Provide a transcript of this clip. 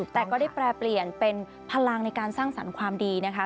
แต่ก็ได้แปรเปลี่ยนเป็นพลังในการสร้างสรรค์ความดีนะคะ